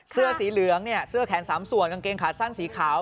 เสื้อสีเหลืองเนี่ยเสื้อแขน๓ส่วนกางเกงขาสั้นสีขาว